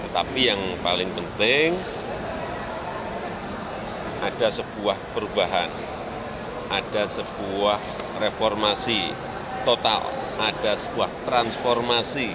tapi yang paling penting ada sebuah perubahan ada sebuah reformasi total ada sebuah transformasi